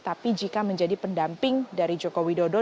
tapi jika menjadi pendamping dari joko widodo